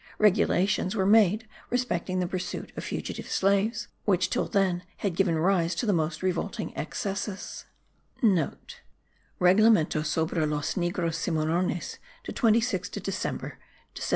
Regulations were made respecting the pursuit of fugitive slaves,* which, till then, had given rise to the most revolting excesses (* Reglamento sobre los Negros Cimmarrones de 26 de Dec.